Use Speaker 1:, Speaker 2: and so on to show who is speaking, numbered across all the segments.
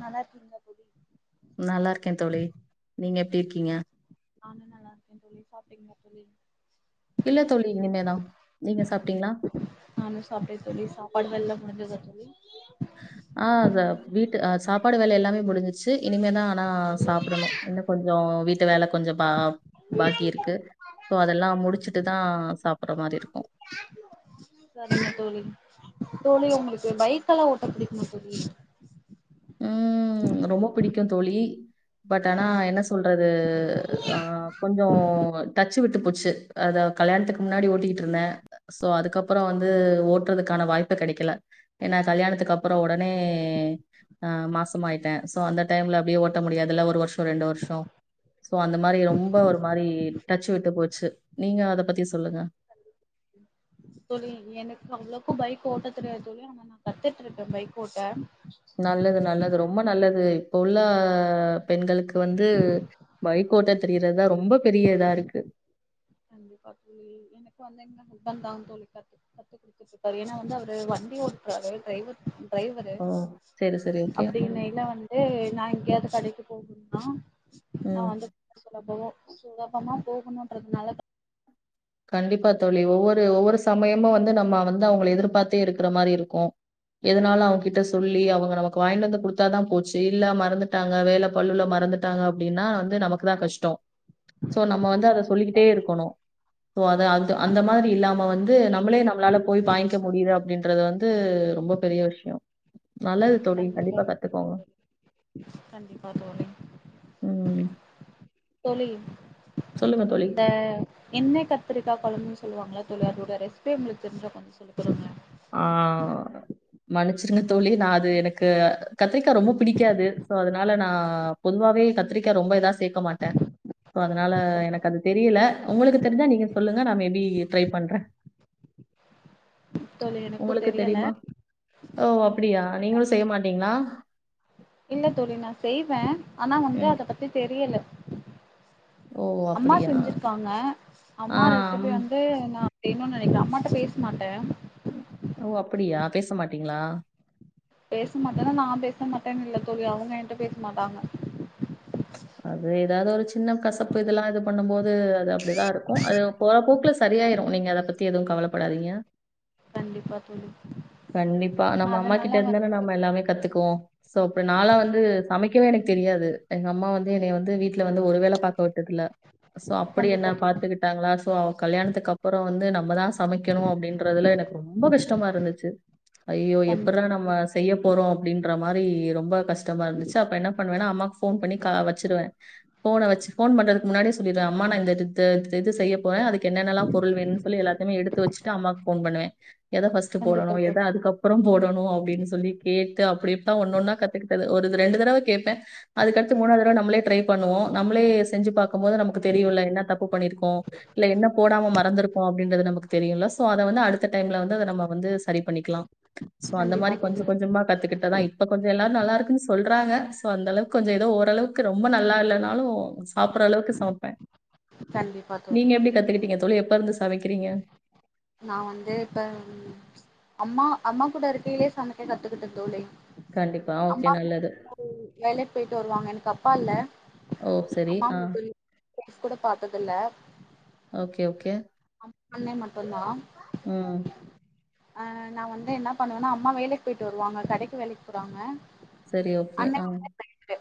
Speaker 1: நல்லாருகிங்லா தோழி
Speaker 2: நல்லாருக்கே தோழி நீங்க எப்டி இருக்கீங்க
Speaker 1: நானு நல்லாருக்கே தோழி சாப்டீங்லா தோழி
Speaker 2: இல்ல தோழி இனிமே தா நீங்க சாப்டிங்ளா
Speaker 1: நானு சாப்ட்டே தோழி [unintelligible]
Speaker 2: ஆ அத வீட்டு அ சாப்பாடு வேல எல்லாமே முடி சிச்சு இனிமே தா ஆனா சாப்டணு இன்னு கொஞ்சொ வீட்டு வேலை கொஞ்ஜொ பா பாக்கியிருக்கு சோ அதெல்லா முடிச்சுட்டு தா சாப்புட்ற மாரி இருக்கு
Speaker 1: சரிங்க தோழி தோழி உங்களுக்கு பைக்கலா ஓட்ட பிடிக்குமா தோழி
Speaker 2: உம் ரொம்ப பிடிக்கு தோழி பட் ஆனா என்ன சொல்றது ஆ கொஞ்ஜொ டச் ச்சு விட்டு போச்சு அதா கல்யாணத்துக்கு முன்னாடி டீட்ருந்த சோ அதுக்கப்ப அப்றொ வந்து ஓட்டுறதுக்கான வாய்ப்பு கெடைக்கல ஏன்னா கல்யாணத்துக்கப்றோ ஒடனே ஆ மாசமாயிட்ட சோ அந்த டைம்ல அப்டே ஓட்ட முடியாதுல்ல ஒரு வருஷ் ரெண்டு வருஷோ சோ அந்த மாரி ரொம்ப ஒரு மாரி டச் விட்டு போ ச்சு நீங்க அத பத்தி சொல்லுங்க
Speaker 1: தோழி எனக்கு அவ்ளோக்கு பைக் ஓட்ட தெரியாது தோழி ஆனா நா கத்துட்ருக்க பைக் ஓட்ட
Speaker 2: நல்லது நல்லது ரொம்ப நல்லது இப்பொ உள்ள பெண்களுக்கு வந்து பைக் ஓட்ட தெரியரதா ரொம் ரொம்ப பெரிய இதா இருக்கு
Speaker 1: கண்டிப்பா தோழி எனக்கு வந்து எங்க ஹஸ்பண்ட் தா தோழி கத்து கத்து குடுத்துட்டு இருக்காரு ஏன்னா வந்து அவரு வண்டி ஓட்றாரு ட்ரைவர் ட்ரைவரு
Speaker 2: ஓ சரி சரி ஓகே ம்
Speaker 1: அப்டினைல வந்து நா எங்கேயாவது கடைக்கு போகணும்னா நா
Speaker 2: ம்
Speaker 1: வந்து சொல்ல போவு சுலபமா போகணுன்றதுனால
Speaker 2: கண்டிப்பா தோழி ஒவ்வொரு ஒவ்வொரு சமயமு வந்து நம்ம வந்து அவங்கள எதிர்பார்த்தே இருக்குற மாரி இருக்கு எதனாலு அவங்கிட்ட சொல்லி அவங்க நமக்கு வாங்கிட்டு வந்து குடுத்தாதா போச்சு இல்ல மறந்துட்டாங்க வேல பள்ளுல மறந்துட்டாங்க அப்படின்னா வந்து நமக்குதா கஷ்டொ சோ நம்ம வந்து அத
Speaker 1: கண்டிப்பா
Speaker 2: சொல்லிகிட்டே
Speaker 1: தோழி
Speaker 2: இருக்கணு சோ அத அது அந்த
Speaker 1: ஆமா
Speaker 2: மாதிரி இல்லாம நம்ம வந்து நா நம்ளே நம்மளால போய் பாயங்க முடியுது அப்படின்றது வந்து ந்து ரொம்ப பெரிய விஷயொ
Speaker 1: கண்டிப்பா கண்டிப்பா தோழி கண்டிப்பா தோழி
Speaker 2: ம்
Speaker 1: தோழி
Speaker 2: சொல்லுங்க தோழி
Speaker 1: இந்த எண்ண கத்தரிக்கா கொழம்புனு சொ சொல்லுவாங்களா தோழி அதோட ரெசிபே உங்களுக்கு தெறிஞ்சா கொஞ்சொ சொல்லுங்க
Speaker 2: மன்னிச்சுருங்க தோழி நா அது எனக்கு கத்திரிக்கா ரொம்ப பிடிக்காது சோ அதனால நா பொதுவாவே கத்திரிக்கா ரொம்ப இதா சேக்க மாட்டே சோ அதனால
Speaker 1: சரிங்க
Speaker 2: எனக்கு அது தெரியல உங்களுக்கு தெரிஞ்சா நீங்க சொல்லுங்க நா மேபி ட்ரை பண்றே
Speaker 1: தோழி எனக்கு
Speaker 2: உங்களுக்கு
Speaker 1: தெரியல
Speaker 2: தெரியுமா ஓ அப்படியா நீங்களு செய்ய மாட் டிங்களா
Speaker 1: இல்ல தோழி நா செய்வே ஆனா வந்து
Speaker 2: ம்.
Speaker 1: அத பத்தி தெரியல
Speaker 2: ஓ!
Speaker 1: அம்மா
Speaker 2: அப்படியா?
Speaker 1: செஞ்சிருக்காங்க
Speaker 2: ஆ,
Speaker 1: அம்மா ரெசிபி
Speaker 2: அம்
Speaker 1: வந்து நா வேணுன்னு நெனைக்ற அம்மாட்ட பேசமாட்ட
Speaker 2: ஓ அப்படியா பேச மாட்டீங்களா
Speaker 1: பேச மாட்டேன்னா நா பேச மாட்டேனு இல்ல தோழி அவுங்க என்ட்ட பேச மாட்டாங்க
Speaker 2: அது எதாவது ஒரு சின்ன கசப்பு இதெல்லா இது பண்ணும் போது அது அப்படிதா இருக்கு அது போறப்போக்குல சரியாயிரு நீங்க அத பத்தி எதுவு கவலப்படாதீங்க
Speaker 1: கண்டிப்பா தோழி
Speaker 2: கண்டிப்பா நம்ம அம்மா கிட்ட
Speaker 1: அதனால
Speaker 2: இருந்தாலே
Speaker 1: வந்து
Speaker 2: நம்ம எல்லாமே கத்துக் போ சோ அப்ப நாளா வந்து
Speaker 1: கண்டிப்பா
Speaker 2: சமைக்கவே எனக்கு தெரியாது எங்க அம்மா வந்து என்னை வந்து வீட்டுல வந்து ஒரு வேள பாக்க வுட்டது இல்ல சோ அப்படி என்ன
Speaker 1: கண்டிப்பா தோழி
Speaker 2: பாத்துக்கிட்டாங்களா சோ அவு கல்யாணத்துக்கு அப்றோ வந்து நம்ம தா சமைக்கணு அப்டின்றதுல எனக்கு ரொம்ப கஷ்டமா இருந்துச்சு ஐயோ எப்பட்ற
Speaker 1: கண்டிப்பா
Speaker 2: நம்ம
Speaker 1: தோழி
Speaker 2: செய்ய போறோ அ ப்டின்ற மாரி ரொம்ப கஷ் டமா இருந்துச் அப்ப என்ன பண்வேனா அம்மாக் போன் பண்ணி கா வச்சுருவே போன வச்சு போன் பண்றதுக்கு முன்னாடி சொல்லிடுவே அம்மா நா இந்த இ இது செய்ய போறே அதுக்கு என்னென்னலா பொருள் வேணு சொல எல்லாத்தையுமே எடுத்து வச்சட்டு அம்மாக் போன் பண்ணுவே எத ஃபஸ்ட்டு
Speaker 1: கண்டிப்பா
Speaker 2: போடணு எது
Speaker 1: தோழி
Speaker 2: அதுக்கப்பறோ போடணு அப்டின்னு சொல்லி கேட் து அப்படி தா ஒன்னு ஒன்ன கத்துக்கிட்டது ஓரு ரெண்டு தடவ கேப்பே அதுக் அடுத்து மூனாத் தடவ நம்மளே ட்ரை பண்ணுவோ நம்மளே செஞ்சு பாக்கும் போது நமக்கு தெரியு ல என்ன தப்பு பண்ணிரு இங்கோ இல்ல என்ன போடாம மறந்திருப்போ அப்டின்றது நமக்கு தெரியலோ சோ அத வந்து அடுத்த டைம்ல வந்து நம்ம வந்து சரி க்லா சோ அந்த
Speaker 1: கண்டிப்பா
Speaker 2: மாரி
Speaker 1: தோழி
Speaker 2: கொஞ்ச கொஞ்சமா கத்துக்கிட்டு தா இப்ப கொஞ் எல்லாரு நல்லா இருக்குன்னு சொல்றாங்க சோ அந்தளவுக் கொஞ்சோ ஏதோ ஓரளவுக்கு ரொம்ப நல்லா இல்லனாலு சாப்பிற அளவுக்கு சமப்பே
Speaker 1: கண்டிப்பா தோழி
Speaker 2: எப்ப இருந்து சமைக்கிறீங்க?
Speaker 1: நான் வந்து இப்ப ம் ச்ச் அம்மா அம்மா கூட இருக்கையிலே சமைக்க கத்துக்கிட்டே தோழி
Speaker 2: கண்டிப்பா. ஓகே
Speaker 1: அம்மா
Speaker 2: நல்லது.
Speaker 1: [inaudible] வேலைக் போய்ட்டு வருவாங்க எனக்கு அப்பா இல்ல
Speaker 2: ஓ! சரி.
Speaker 1: அம்மா
Speaker 2: ஆ.
Speaker 1: மட்டுந் [inaudible] கூட பாத்ததில்ல
Speaker 2: ஓகே, ஓகே.
Speaker 1: அண்ணே மட்டுந்தா
Speaker 2: ம்.
Speaker 1: ஆ நா வந்து என்ன பண்ணுவனா அம்மா வேலைக்கு போயிட்டு வருவாங்க கடைக்கு வேலைக் போறாங்க
Speaker 2: செரி ஓகே
Speaker 1: அண்ணே
Speaker 2: ஆ
Speaker 1: வந்து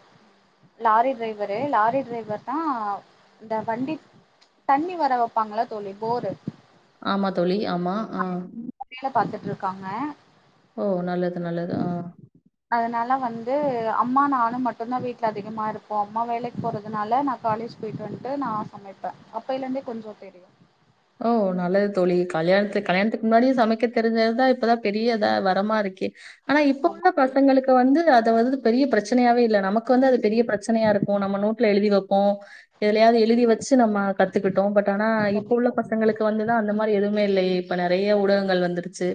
Speaker 1: லாரி டிரைவரு லாரி டிரைவர் தா இந்த வண்டி தண்ணி வர வெப்பாங்ள தோலி போரு
Speaker 2: ஆமா தோலி ஆமா அ
Speaker 1: பாத்துட்ருக்காங்க.
Speaker 2: ஓ நல்லது நல்லது அ
Speaker 1: அதனால வந்து அம்மா நானு மட்டுந்தா வீட்ல அதிகமா இருப்போ அம்மா வேலைக் போறதுனால நா காலேஜ் போயிட்டு வந்ட்டு நா சமைப்பே அப்பைலந்தே கொஞ்சு தெரியு
Speaker 2: ஓ நல்லது தோலி கல்யாணத்துக் கல்யாணத்துக்கு முன்னாடியே சமைக்க தெரிஞ்சது தா இப்பதா பெரிய தா வரமா இருக்கே. ஆனா இப்ப
Speaker 1: ஆமா
Speaker 2: உள்ள பசங்களுக்கு வந்து அத வந் பெரிய பிரச்சனையாவே இல்ல நமக்கு வந்து அது பெரிய பிரச்சனையா இருக்கோ நம்ம நோட்ல எழுதி வெப்போ எதுலியாது எழுதி வச் ச்சி நம்ம கத்துக்கிட்டோ பட் ஆனா இப் சின்ன
Speaker 1: கண்டிப்பா தோழி.
Speaker 2: பசங்களுக்கு வந்து தா அந்ல மாரி எதுமே இல்லயே இப்ப நெறய ஊடகங்கள் வந்து துருச்சு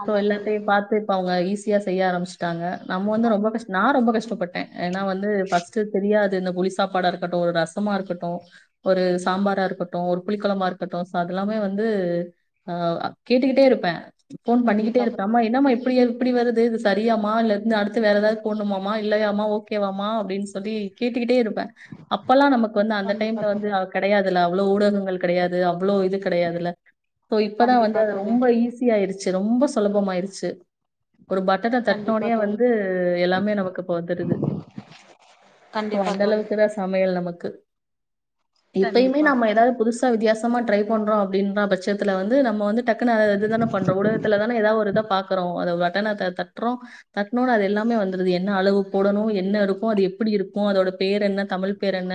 Speaker 2: இப்போ
Speaker 1: ஆமா தோழி
Speaker 2: எல்லாத்தயு பாத்து இப்போவுங்க ஈஸி சியா செய்ய ஆரம்பி தாங்க நம்ம வந்து
Speaker 1: ஆமா
Speaker 2: ரொம்ப கஷ்ட் நான் ரொம்ப கஷ்ட் கஷ்டப்பட்டேன் ஏனா வந்து ஃபர்ஸ்ட் தெரியாது இந்த புளி சாப்பாடா இருக்கட்டும் ஒரு ரசமா இருக்கட்டும். ஒரு சாம்பாரா இருக்கட்டும் ஒரு புளிக்கொலம்பா இருக் பக்க தோச அதெல்லாமே வந்து ஆஹ் கேட்டுக்கிட்டே இருப்பேன் ஃபோன் பண்ணிக்கிட்டே
Speaker 1: கண்டிப்பா தோ
Speaker 2: இருப்பேன் அம்மா என்னமா இது அப்படி இப்படி வருது இது சரியாமா இலயிருந்து அடுத்து வேற எதாவது போடணுமாமா இல்லையாமா ஓகேவாமா அப்படின்னு சொல்லி கேட்டுக்கிட்டே இருப் அப்பலாம் நமக்கு வந்து அந்த
Speaker 1: கண்டிப்பா
Speaker 2: டைம்ல வந்து
Speaker 1: தோழி
Speaker 2: அ கெடையாது முதல அவ்ளே ஊடகங்கள் கெடையாது. தே ஆம் அவ்வளவு இது கிடையாதுல்ல சோ இப்பதான் வந்து
Speaker 1: கண்டிப்பா
Speaker 2: அது
Speaker 1: தோழி
Speaker 2: ரொம்ப ஈஸியயிருச்சு ரொம்ப சுலபமாயிருச்சு ஒரு பட்டன
Speaker 1: கண்டிப்பா
Speaker 2: தட்டனோடையே
Speaker 1: தோழி
Speaker 2: வந்து எல்லாமே நமக்குப்ப வந்துடூது சோ
Speaker 1: கண்டிப்பா
Speaker 2: அந்த
Speaker 1: தோழி
Speaker 2: அளவுக்கு தான் சமையல் நமக்கு து இப்பயுமே
Speaker 1: கண்டிப்பா
Speaker 2: நம்ம ஏதாவது புதுசா வித்தியாச நம்மே ட்ரை பண்றோம் அப்படின்ற பட்சத்துல வந்து நம்ம வந்து டக்குனு இதுத பண்றோம் உலகத்துல தான ஏதாவ ஒரு இத பாக்றோம் அத பட்டன தட்றோம் தட்ன ஓடனே எல்லாமே வந்துடுது என்ன அளவு போடணும் என்ன இருக்கும் அது எப்படி இருக்கும் அதோட பெர் என்ன தமிழ் பேர் என்ன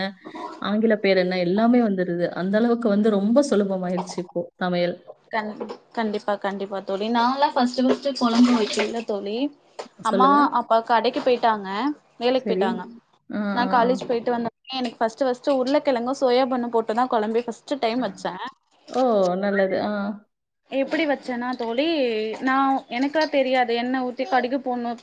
Speaker 2: ஆங்கில பேர் என்ன எல்லாமே வந்துருது அந்த அளவுக்கு வந்து ரொம்ப சுலபமாயிருச்சு இப்போ சமையல்
Speaker 1: கண்டிப் கண்டிப்பா கண்டிப்பா தோழி நாலாம் ஃபஸ்ட்டு ஃபஸ்ட்டு கொழம்பு வைக்கயில தோழி அம்மா
Speaker 2: சொல்லுங்க
Speaker 1: அப்பா கடைக்கு பெயிட்டாங்க வேலைக்கு
Speaker 2: சரி
Speaker 1: பெயிட்டாங்க
Speaker 2: ஆ
Speaker 1: நா
Speaker 2: ஆ ஆ
Speaker 1: காலேஜ் பெயிட்டு வந்தேனே எனக் ஃபர்ஸ்ட் ஃபர்ஸ்ட் உருளகெழங்கும் சோயா பன்னும் போட்டு தான் கொழம்பே [unintelligible] டைம் வச்சன்
Speaker 2: ஓ நல்லது ஆ
Speaker 1: எப்படி வச்சன்னா தோழி நான எனக்கா தெரியாது எண்ண ஊத்தி கடுகு போட்ணும்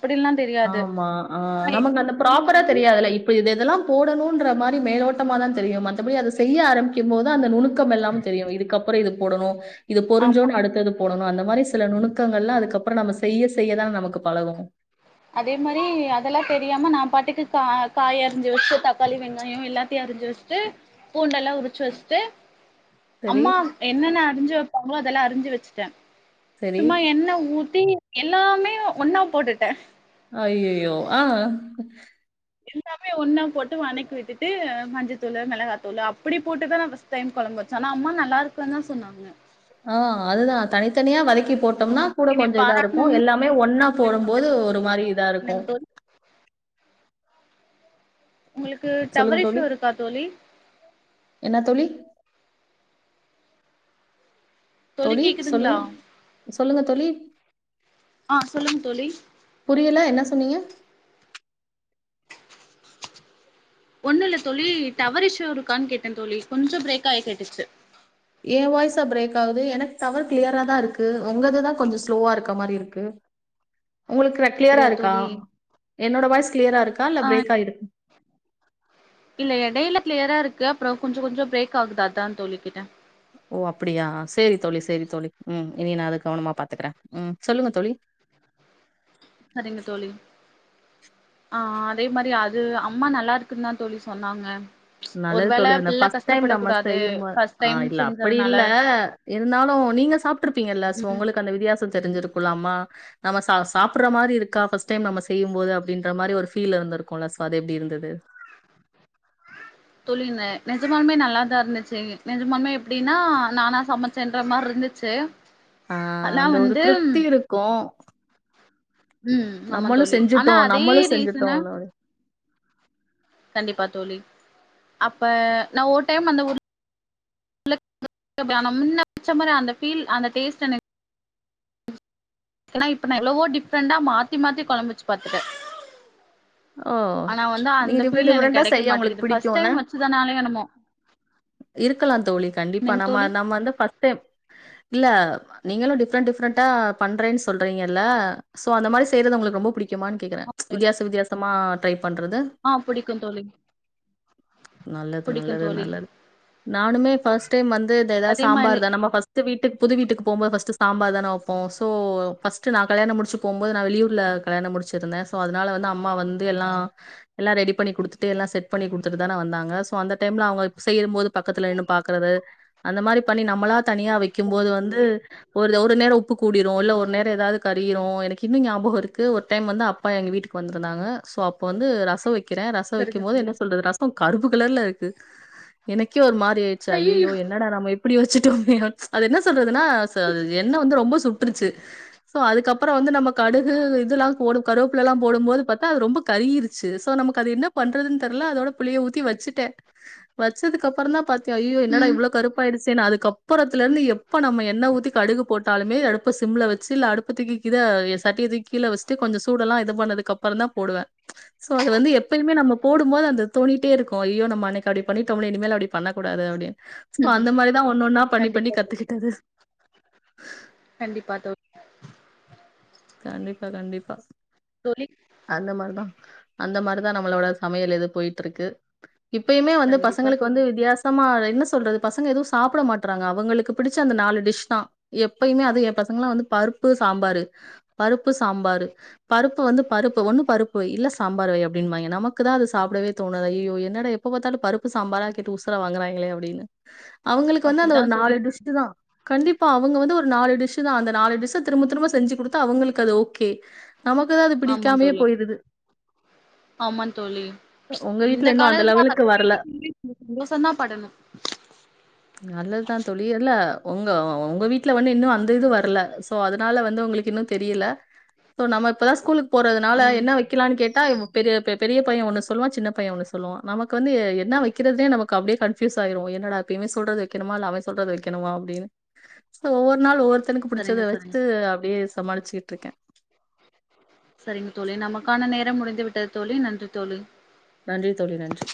Speaker 2: ஆமா ஆ ஆ நமங் அந்த ப்ராப்பரா தெரியாதுல இப்ப இது இதெல்லாம் போடணும் என்ற மாதிரி மேலோட்டமா தான் தெரியும் அப்படி அத செய்ய ஆரம்பிக்கும் போது அந்த நுனுக்கு [unintelligible] தெரியும் இதுக்கப்புறம் இது போடணும் இது
Speaker 1: ஆமா
Speaker 2: பொரிஞ்சோன்ன அடுத்தது போடணும் அந்த மாரி சில நுணுக்கங்கலாம் அதுக்கப்புறம் நம்ம செய்ய செய்யதான நமக்கு பழகும்
Speaker 1: அதே மாரி அதெல்லா தெரியாம நான பாட்டுக்கு கா காய் அரிஞ்சு வச்சு தக்காளி வெங்காயம் எல்லாத்தையும் அரிஞ்சு வச்சுட்டு பூண்டல்லாம் உரிச்சு வெச்சுட்டு
Speaker 2: சரி,
Speaker 1: அம்மா என்னன்ன அறிஞ்சு வெப்பாங்களோ எல்லாம் அறிஞ்சு வெச்சுட்டேன்
Speaker 2: சரி.
Speaker 1: சும்மா எண்ணெ ஊத்தி எல்லாமே ஒன்னா போட்டுட்டே
Speaker 2: அய்யயோ ஆஹ்
Speaker 1: எல்லாமே ஒண்ணா போட்டு வனக்கி விட்டுட்டு மஞ்சத்தூள், மிளகாத்தூள் அப்புடி போட்டுதா நா பர்ஸ்ட் டைம் குழம்பு வச்சே ஆனா அம்மா நல்லாருக்குன்னு தா சொன்னாங்க.
Speaker 2: அ அதுதா தனித் தனியா வத க்கி போட்டோம்னா கூட
Speaker 1: என்னைய
Speaker 2: கொஞ்சோ இதா இருக்கு
Speaker 1: பாராட்ணுன்னு
Speaker 2: எல்லாமே ஒன்னா போடும்போது ஒரு மாறி இதாருக்கு
Speaker 1: என்னங்க தோழி உங்களுக்கு
Speaker 2: சொல்லுங்க
Speaker 1: டவர்
Speaker 2: தோழி.
Speaker 1: இஷ்யூ இருக்கா தோழி
Speaker 2: என்ன தோழி
Speaker 1: தோழி கேக்குதுங்களா
Speaker 2: சொல்லுங்க தோழி.
Speaker 1: ஆ சொல்லுங்க தோழி
Speaker 2: புரியல என்ன சொன்னீங்க
Speaker 1: ஒண்ணு இல்ல தோழி. டவர் இஸ்யூ இருக்கான்னு கேட்டே தோழி. கொஞ்சோ பிரேக்காயி கேட்டுச்சு.
Speaker 2: என் வாய்ஸா பிரேக்காகுது எனக்கு டவர் கிளியரா தா இருக்கு. உங்களதுதா கொஞ்சோ ஸ்லோவா இருக்க மாரி இருக்கு. உங்களுக்கு கிளியரா
Speaker 1: அப்டியா
Speaker 2: இருக்கா
Speaker 1: தோழி
Speaker 2: என்னோட வாய்ஸ் கிளியராருக்கா இல்ல
Speaker 1: ஆ
Speaker 2: பிரேக் ஆயிருக் [inaudible]
Speaker 1: இல்ல எடையில கிளியராருக்கு அப்புறோ கொஞ்சே கொஞ்சோ பிரேக்காகுது அதான் தோழி கேட்டே
Speaker 2: ஓ அப்படியா சேரி தோழி சேரி தோழி ம் இனி நா அத கவனமா பாத்துக்கறே ம் சொல்லுங்க தோழி.
Speaker 1: சரிங்க தோழி ஆ ஆ அதே மாரி அது அம்மா நல்லா இருக்குன்னு தான் தோழி சொன்னாங்க. ஒரு
Speaker 2: நல்லது
Speaker 1: வேள
Speaker 2: தோழி அந்த
Speaker 1: பிள்ள
Speaker 2: ஃபர்ஸ்ட் டைம்
Speaker 1: கஷ்டப்படக்
Speaker 2: நம்ம
Speaker 1: கூடாது
Speaker 2: செய்யு போ
Speaker 1: ஃபர்ஸ்ட்
Speaker 2: ஆ
Speaker 1: டைம்
Speaker 2: இல்ல அப்புடி
Speaker 1: செஞ்சதுனால
Speaker 2: இல்ல இருந்தாலு நீங்க சாப்ட்டுருப்பீங்கல சோ உங்களுக்கு அந்த வித்தியாச தெரிஞ்சிருக்குல்ல அம்மா நம்ம சா சாப்பிட்ற மாரி இருக்கா ஃபர்ஸ்ட் டைம் நம்ம செய்யும் போது அப்டின்ற மாரி ஒரு ஃபீல் இருந்திருக்கோல சோ அது எப்டி இருந்தது
Speaker 1: தோழி நெ நெஜமான்மே நல்லா தா இருந்துச்சு நெஜமான்மே எப்டினா நானா சமைச்சேன்ற மார் இருந்துச்சு
Speaker 2: ஆ
Speaker 1: ஆனா
Speaker 2: அந்த ஒரு
Speaker 1: வந்து
Speaker 2: திருப்தி இருக்கு
Speaker 1: ம் ஆமா
Speaker 2: நம்மளு
Speaker 1: தோழி
Speaker 2: செஞ்சுட்டோ
Speaker 1: ஆனா அதே
Speaker 2: நம்மளு
Speaker 1: ரீசனு
Speaker 2: செஞ்சுட்டோன்னு
Speaker 1: கண்டிப்பா தோழி அப்ப நா ஒரு டைம் அந்த [inaudible] அந்த ஃபீல் அந்த டெஸ்ட் எனக் ன்னா இப்ப நா எவ்ளவோ டிஃப்ரெண்டா மாத்தி மாத்தி கொழம்பு வச்சு பாத்துடே
Speaker 2: ஓ நீங்க டிஃப்ரெண் டிஃப்ரெண்டா
Speaker 1: கெடைக்க
Speaker 2: செய்ய உங்குளுக்கு
Speaker 1: மாட்டேங்குது ஃபர்ஸ்ட்
Speaker 2: பிடிக்கோனே
Speaker 1: டைம் வச்சதுனாலயோ என்னமோ
Speaker 2: இருக்கலா தோழி கண்டிப்பா
Speaker 1: என்னங்க
Speaker 2: நம்ம
Speaker 1: தோழி
Speaker 2: நம்ம வந்து ஃபர்ஸ்ட் டைம் இல்ல நீங்களோ டிஃப்ரெண் டிஃப்ரெண்டா பண்றேன்னு சொல்றீங்கல்லா சோ அந்த மாரி செய்றது உங்களுக்கு ரொம்ப புடி முக்கியமான் கேக்குறே வித்தியாஸ் வித்தியாச மொத்தம்மா டைப் பண்றது
Speaker 1: ஆ புடிக்கு தோழி
Speaker 2: நல்லது
Speaker 1: புடிக்கு
Speaker 2: நல்லது
Speaker 1: தோழி
Speaker 2: நல்லது நானுமே ஃபர்ஸ்ட் டைம் வந்து தெதாவது
Speaker 1: அதே மாரி
Speaker 2: சாம்பார்தா நம்ம ஃபர்ஸ்ட்டு வீட்டுக் புது வீட்டுக்கு போம்போது ஃபர்ஸ்ட்டு சாம்பார் தான வெப்போ சோ ஃபர்ஸ்ட்டு நா கல்யாணம் முடிச்சு போம்போது நா வெளியூர்ல கல்யாணம் முடிச்சிருந்தே சோ அதுனால வந்து அம் மா வந் து எல்லா எல்லா ரெடிப் பண்ணி குடுத்துட்டு எல்லா செட் பண்ணி குடுத்துட்டு தான வந்தாங்க சோ அந்த டைம்ல அவுங்க செய்யும் போது பக்கத்துல நின்னு பாக்குறது அந்த மாரி பண்ணி நம்மளா தனியா வெக்கிம் போது
Speaker 1: சரிங்க
Speaker 2: வந்து
Speaker 1: தோழி
Speaker 2: ஒரு ஒரு நேரொ உப்பு கூடிரு இல்ல ஒரு நேரொ எதாது கறிகிரு எனக்கு இன்னு ஞாப பஹொ இருக்கு ஒரு டைம் வந்து அப்பா எங்க வீட்டுக்கு வந் த்ருந்தாங்க சோ அப்ப வந்து ரசொ வெக் கிறே ரசொ
Speaker 1: சரிங்க
Speaker 2: வைக்கெம் போது
Speaker 1: தோழி
Speaker 2: என்ன சொல்றது ரசொ கருப்பு கலர்ல இருக்கு எனக்கே ஒரு மா ரியாய்ட்சி ஐயையோ என்னடா நம்ம இப் ப்டி வச்சுட்டோமே அத என்ன சொல்றது னா ச அது எண்ண வந்து ரொம்ப சுட்ருச்சு சோ அதுக்கப் அப்பறோ வந்து நம்ம கடுகு இதுலா போடு கருவப்புலலா போடும் போது பாத்தா அது ரொம்ப கறிகிரிச்சி சோ நமக்கு அது என்ன பண்றதுன் தெர்ல அதோட புளிய ஊத்தி வச்சுட்டே வச்சதுக்கு அப்பறந்தா பாத் தா ஐயையோ என்னடா
Speaker 1: ம்
Speaker 2: இவ்ளோ கருப்பாயிடுச்சேன் அதுக்கப் புறத்துலேருந்து எப்ப நம்ம எண்ணெ ஊத்தி கடுகு போட்டாலுமே அடுப்ப சிம்ல வச்சி இல்ல அடுப்பு தூக்கி இத சட்டிய தூக்கி கீழ வஷ்ட்டு கொஞ்சொ சூடெல்லா இது பண்ணதுக்கு அப் பறந்தா போடுவ சோ அது வந்து எப்பயுமே நம்ம போடும் போது அந்த தோனிட்டே இருக்கு ஐயோ நம்ம அன்னைக் அப்டி பண்ணிட்டோம்லே இனிமேல் அப்டி பண்ணக் கூடாது அப்டின் சோ அந்த மாரிதா ஒன்னொன்னா பண்ணி பண்ணி
Speaker 1: கண்டிப்பா தோழி
Speaker 2: கத்துக்கிட்டது
Speaker 1: கண்டிப்பா தோழி
Speaker 2: கண்டிப்பா கண்டிப்பா
Speaker 1: தோழி
Speaker 2: அந்த மாரிதா அந்த மாரிதா நம்மளோட சமையல் இது போயிட்ருக்கு இப்பயுமே வந்து
Speaker 1: கண்டிப்பா
Speaker 2: பசங்களுக்கு
Speaker 1: தோழி
Speaker 2: வந்து வித்தியாசமா என்ன சொல்றது பசங்க எதுவு சாப்புட மாட்றாங்க அவுங்களுக்கு புடிச்ச அந்த நாலு டிஷ்தா எப்பயுமே அது ஏ பசங்கல்லா வந்து பருப்பு சாம்பாரு பருப்பு சாம்பாரு பருப்பு வந்து பருப்பு ஒண்ணு பருப்பு வை இல்ல சாம்பார் வை அப்டின்வாய்ங்க நமக்குதா அது சாப்டவே தோணாது ஐயையோ என்னடா எப்ப பாத்தாலு பருப்பு சாம்பாரா கேட்டு உசுர வாங்குறாய்ங்களே அப்டின்னு அவுங்களுக்கு வந்து அந்த
Speaker 1: அப்டிதா
Speaker 2: ஒரு
Speaker 1: தோழி
Speaker 2: நாலு
Speaker 1: இருக்கு
Speaker 2: டிஷ்ஷுதா கண்டிப்பா அவங்க வந்து ஒரு நாலு டிஷ் டுதா அந்த நாலு டிஷ்ஷ திரும்ப திரும்ப செஞ்சி குடுத் தா அவங்களுக்கு அது ஓகே நமக்குதா அது
Speaker 1: ஆமா
Speaker 2: பிடிக்காமயே
Speaker 1: தோழி
Speaker 2: போயிருது
Speaker 1: ஆமா தோழி
Speaker 2: உங்க
Speaker 1: இந்த
Speaker 2: வீட்ல இன்னு அந்த
Speaker 1: காலத்துல
Speaker 2: லெவலுக்கு
Speaker 1: அத
Speaker 2: வர்ல
Speaker 1: கேட்டீங்கனாலே சந்தோஷந்தா படணு
Speaker 2: நல்லதுதா தோழி இல்ல உங்க உங்க வீட்ல வந்து இன்னு அந்த இது வர்ல சோ அதுனால வந்து உங்களுக்கு இன்னு தெரியல சோ நம்ம இப்பதா ஸ்கூலுக் போறதுனால
Speaker 1: ம்
Speaker 2: என்ன வெக்கலான்னு கேட்டா பெரிய ப பெரிய பைய ஒன்னு சொல்லுவா சின்னப் பைய ஒன்னு சொல்லுவா நமக்கு வந்து எ என்னா வெக்கிறதுன்னே நமக்கு அப்டியே கன்ஃப்யூஸ் ஆயிரு என்னடா இப்ப இவே சொல்றது வெக்கணுமா இல்ல அவே சொல்றது வெக்கணுமா அப்டின்னு ஒவ்வொரு நாள் ஒவ்வொரு தனுக்கு
Speaker 1: சரிங்க
Speaker 2: புடிச்சத
Speaker 1: சரிங்க
Speaker 2: வச்சி அப்டியே சமாளிச்சிக்கிட்ருக்க
Speaker 1: டம் முடிந்து விட்டது தோழி நன்றி தோழி
Speaker 2: நன்றி தோழி நன்றி